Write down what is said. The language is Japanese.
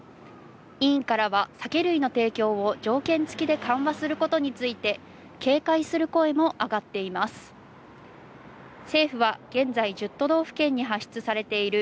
委員からは酒類の提供を条件付きで緩和することについて警戒する声もあがっています。